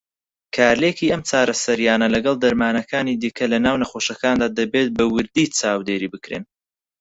کارلێکی ئەم چارەسەریانە لەگەڵ دەرمانەکانی دیکه لەناو نەخۆشەکاندا دەبێت بە وردی چاودێری بکرێن.